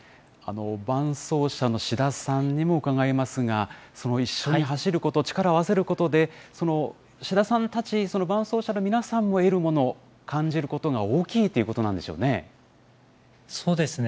伴走者の志田さんにも伺いますが、一緒に走ること、力を合わせることで、志田さんたち、伴走者の皆さんも得るもの、感じることが大きいということなんでしょうね。